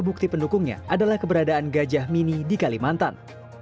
bukti pendukungnya adalah keberadaan gajah mini di kalimantan